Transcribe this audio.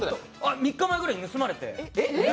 ３日前くらいに盗まれて。